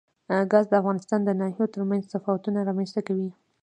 ګاز د افغانستان د ناحیو ترمنځ تفاوتونه رامنځ ته کوي.